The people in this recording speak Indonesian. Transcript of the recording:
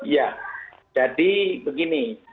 ya jadi begini